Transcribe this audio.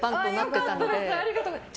ありがとうございます。